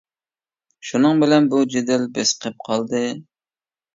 شۇنىڭ بىلەن بۇ جېدەل بېسىقىپ قالدى.